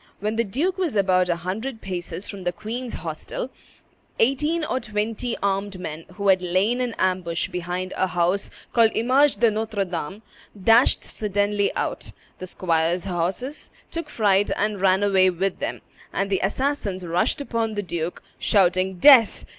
When the duke was about a hundred paces from the queen's hostel, eighteen or twenty armed men, who had lain in ambush behind a house called Image de Notre Dame, dashed suddenly out; the squires' horse took fright and ran away with them; and the assassins rushed upon the duke, shouting, "Death!